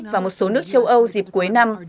và một số nước châu âu dịp cuối năm